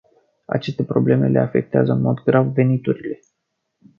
Aceste probleme le afectează în mod grav veniturile.